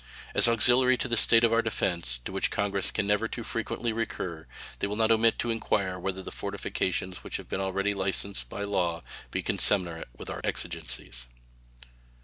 As auxiliary to the state of our defense, to which Congress can never too frequently recur, they will not omit to inquire whether the fortifications which have been already licensed by law be commensurate with our exigencies.